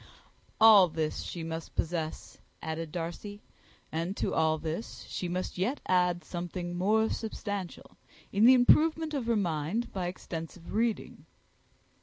"All this she must possess," added Darcy; "and to all she must yet add something more substantial in the improvement of her mind by extensive reading."